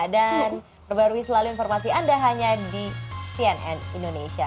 dan berbarui selalu informasi anda hanya di cnn indonesia